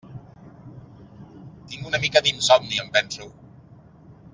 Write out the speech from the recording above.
Tinc una mica d'insomni, em penso.